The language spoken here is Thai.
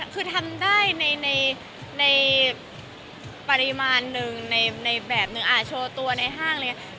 คือทำได้ในปริมาณหนึ่งในแบบหนึ่งโชว์ตัวในห้างอะไรอย่างนี้